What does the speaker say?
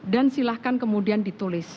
dan silahkan kemudian ditulis